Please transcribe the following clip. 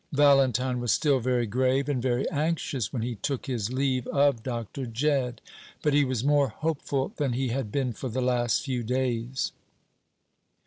Valentine was still very grave and very anxious when he took his leave of Dr. Jedd; but he was more hopeful than he had been for the last few days.